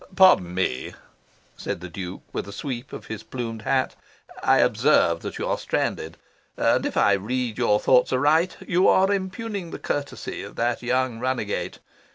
"Pardon me," said the Duke, with a sweep of his plumed hat. "I observe you are stranded; and, if I read your thoughts aright, you are impugning the courtesy of that young runagate.